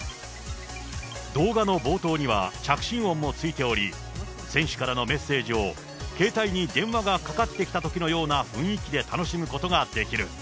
動画の冒頭には着信音もついており、選手からのメッセージを携帯に電話がかかってきたときのような雰囲気で楽しむことができる。